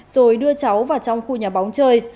rồi đưa cháu vào trong khu nhà bóng chơi